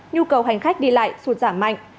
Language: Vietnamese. nhu cầu hành khách đi lại sụt giảm mạnh